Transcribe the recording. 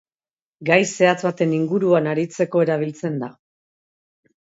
Gai zehatz baten inguruan aritzeko erabiltzen da.